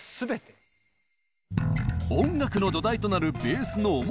音楽の土台となるベースの面白さとは？